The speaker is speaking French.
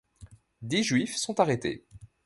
Dix Juifs sont arrêtés.